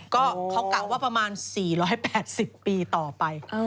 ก็เขากะว่าประมาณ๔๘๐ปีต่อไป